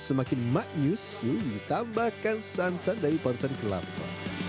semakin maknyus ditambahkan santan dari parutan kelapa